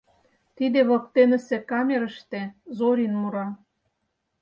Тиде воктенысе камерыште Зорин мура.